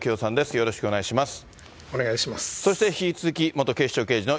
よろしくお願いします。